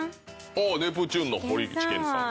あぁネプチューンの堀内健さん。